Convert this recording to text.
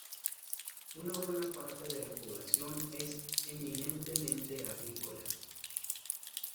Una buena parte de la población es eminentemente agrícola.